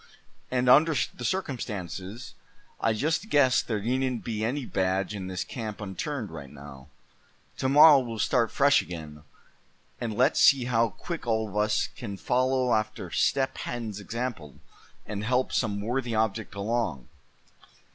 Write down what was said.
And under the circumstances, I just guess there needn't be any badge in this camp unturned right now. To morrow we'll start fresh again, and let's see how quick all of us can follow after Step Hen's example, and help some worthy object along."